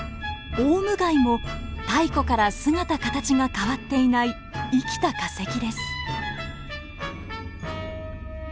オウムガイも太古から姿形が変わっていない生きた化石です。